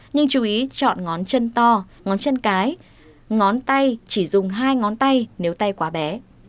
nhưng chú ý chọn ngón chân to ngón chân cái ngón tay chỉ dùng hai ngón tay nếu tay quá bé